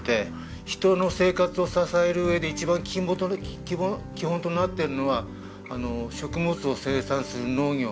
人の生活を支える上で一番基本となっているのは食物を生産する農業。